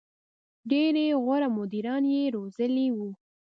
• ډېری غوره مدیران یې روزلي وو.